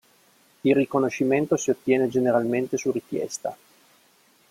Il riconoscimento, si ottiene generalmente su richiesta.